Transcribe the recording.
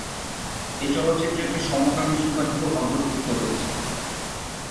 এ চলচ্চিত্রে একটি সমকামী সুপারহিরো অন্তর্ভুক্ত রয়েছে।